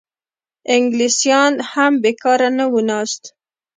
انګلیسیان هم بېکاره نه وو ناست.